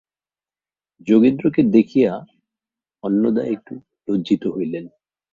যোগেন্দ্রকে দেখিয়া অন্নদা একটু লজ্জিত হইলেন।